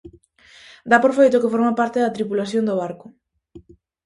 Dá por feito que forma parte da tripulación do barco.